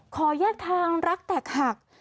ขอแยกทางรักแตกหัก